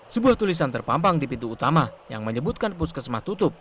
sebuah tulisan terpampang di pintu utama yang menyebutkan puskesmas tutup